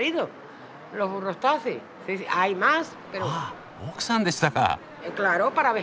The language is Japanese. あ奥さんでしたか！